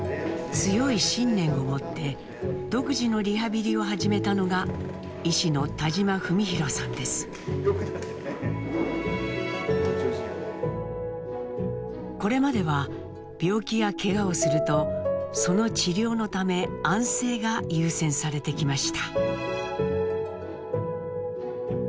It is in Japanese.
強い信念をもって独自のリハビリを始めたのがこれまでは病気やケガをするとその治療のため安静が優先されてきました。